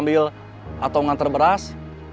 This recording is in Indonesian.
tapi gak disuruh ngambil atau ngantar beras